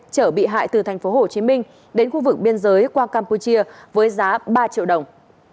trở bị hại từ thành phố hồ chí minh đến khu vực biên giới qua campuchia với giá ba triệu đồng